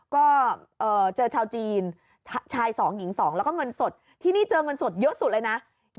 ก็เจอชาวจีนชาย๒หญิง๒แล้วก็เงินสดที่นี่เจอเงินสดเยอะสุดเลยนะ